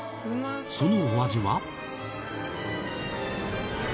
そのお味は？